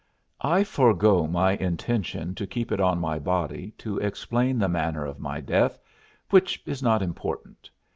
I forego my intention to keep it on my body to explain the manner of my death, which is not important.